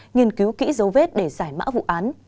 nghiên cứu kỹ dấu vết để giải mã vụ án